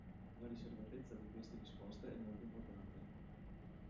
La riservatezza di queste risposte è molto importante.